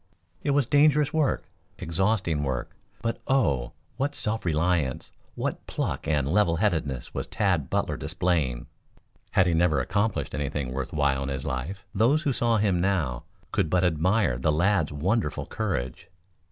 It was dangerous work, exhausting work; but oh! what self reliance, what pluck and levelheadedness was Tad Butler displaying. Had he never accomplished anything worth while in his life, those who saw him now could but admire the lad's wonderful courage.